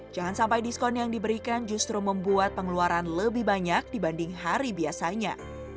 jangan sampai diskon yang diberikan justru membuat pengeluaran lebih banyak dibanding hari biasanya